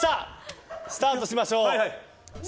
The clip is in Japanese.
スタートしましょう。